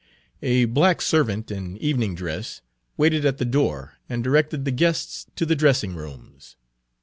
A black servant in evening dress waited at the door and directed the guests to the dressing rooms.